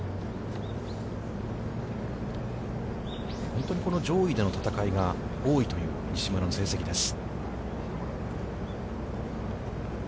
本当にこの、上位での戦いが多いという西村の成績です。